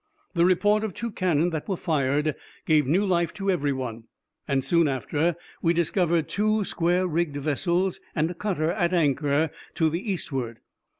The report of two cannon that were fired gave new life to every one; and soon after, we discovered two square rigged vessels and a cutter at anchor to the eastward.